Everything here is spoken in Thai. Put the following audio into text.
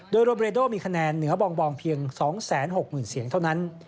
โดยโรเบรโดมีคะแนนเหนือบองเพียง๒๖๐๐๐เสียงเท่านั้น